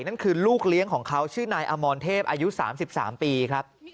นั่นคือลูกเลี้ยงของเขาชื่อนายอมรเทพอายุ๓๓ปีครับ